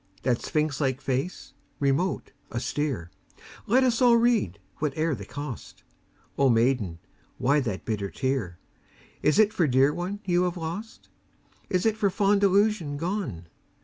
That sphinx like face, remote, austere, Let us all read, whate'er the cost: O Maiden! why that bitter tear? Is it for dear one you have lost? Is it for fond illusion gone?